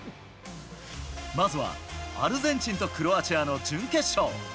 まずはアルゼンチンとクロアチアの準決勝。